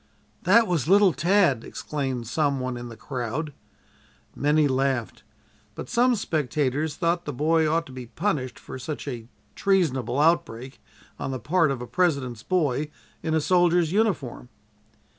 "That was little Tad!" exclaimed some one in the crowd. Many laughed, but some spectators thought the boy ought to be punished for such a treasonable outbreak on the part of a President's boy in a soldier's uniform.